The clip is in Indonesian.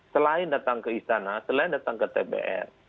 selain datang ke istana selain datang ke tbr